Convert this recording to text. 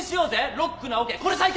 ロックなオケこれ最強！